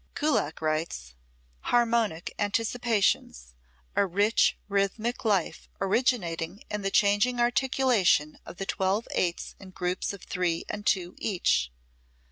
Kullak writes: "Harmonic anticipations; a rich rhythmic life originating in the changing articulation of the twelve eights in groups of three and two each.